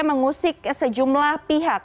mengusik sejumlah pihak